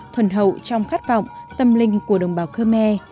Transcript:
thuần hậu trong khát vọng tâm linh của đồng bào khmer